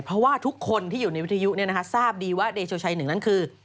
เพราะว่าทุกคนที่อยู่ในวิทยุทราบดีว่าเดโชชัยหนึ่งนั้นคือ